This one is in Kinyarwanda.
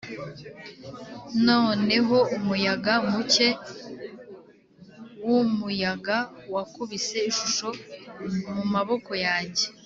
noneho umuyaga muke wumuyaga wakubise ishusho mumaboko yanjye